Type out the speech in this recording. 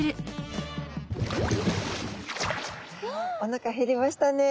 おなか減りましたね。